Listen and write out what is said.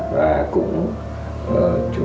và cũng có những chế độ hỗ trợ thích hợp